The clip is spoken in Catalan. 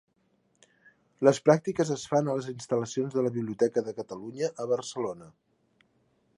Les pràctiques es fan a les instal·lacions de la Biblioteca de Catalunya a Barcelona.